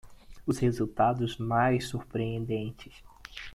Os resultados mais surpreendentes